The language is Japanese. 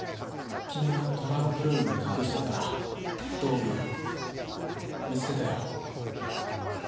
君がトランクルームに隠してた道具見つけたよ。